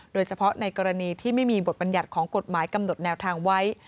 โดยเฉพาะในกรณีที่ไม่มีบทบัญญัติของกฎหมายกำหนดแนวทางไว้